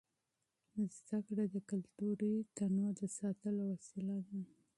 زده کړه د کلتوري تنوع د ساتلو وسیله ده.